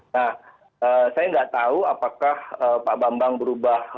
nah saya nggak tahu apakah pak bambang berubah